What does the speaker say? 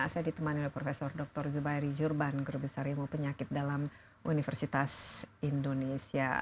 saya ditemani oleh prof dr zubairi jurban guru besar ilmu penyakit dalam universitas indonesia